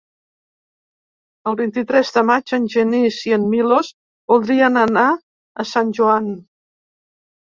El vint-i-tres de maig en Genís i en Milos voldrien anar a Sant Joan.